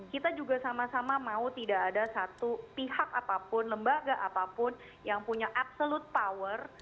kita juga sama sama mau tidak ada satu pihak apapun lembaga apapun yang punya absolut power